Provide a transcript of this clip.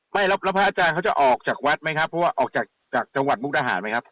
ไม่แล้วแล้วพระอาจารย์เขาจะออกจากวัดไหมครับเพราะว่าออกจากจากจังหวัดมุกดาหารไหมครับ